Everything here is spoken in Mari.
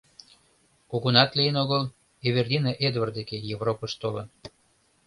Кугунат лийын огыл, Эвердина Эдвар деке Европыш толын.